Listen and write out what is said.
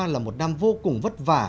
là một năm vô cùng vất vả